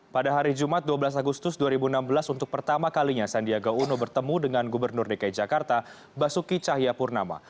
pada hari jumat dua belas agustus dua ribu enam belas untuk pertama kalinya sandiaga uno bertemu dengan gubernur dki jakarta basuki cahayapurnama